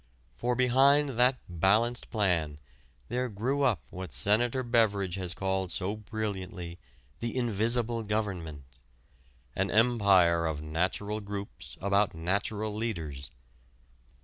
For behind that balanced plan there grew up what Senator Beveridge has called so brilliantly the "invisible government," an empire of natural groups about natural leaders.